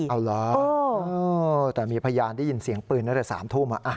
เอาล่ะแต่มีพยานได้ยินเสียงปืนนั่นแหละ๓ทุ่ม